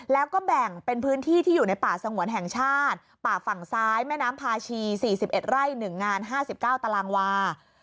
แล้วก็แบ่งเป็นพื้นที่ที่อยู่ในป่าสงวนแห่งชาติป่าฝั่งซ้ายแม่น้ำพาชี๔๑ไร่๑งาน๕๙ตารางวา